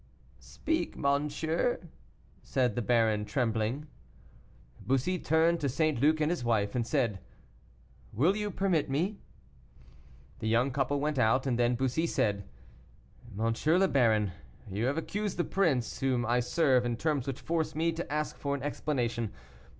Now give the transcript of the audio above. "Speak, monsieur," said the baron, trembling. Bussy turned to St. Luc and his wife, and said: "Will you permit me?" The young couple went out, and then Bussy said: "M. le Baron, you have accused the prince whom I serve in terms which force me to ask for an explanation.